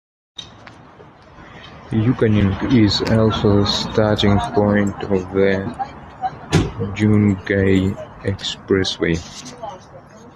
Yuquanying is also the starting point of the Jingkai Expressway.